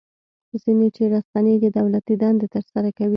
ځینې چې راستنیږي دولتي دندې ترسره کوي.